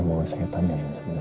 dia mau saya tanya sebenarnya